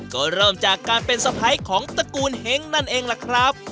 ก็เริ่มจากการเป็นสะพ้ายของตระกูลเฮ้งนั่นเองล่ะครับ